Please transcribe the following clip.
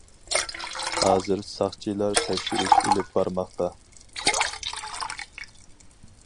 ھازىر ساقچىلار تەكشۈرۈش ئېلىپ بارماقتا.